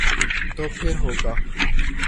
تو پھر ہو گا۔